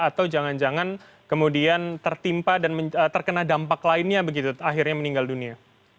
atau jangan jangan kemudian tertimpa dan terkena dampak lainnya begitu akhirnya meninggal dunia